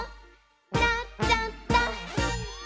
「なっちゃった！」